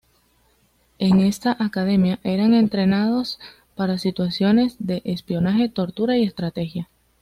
En esta academia eran entrenados para situaciones de espionaje, tortura y estrategia.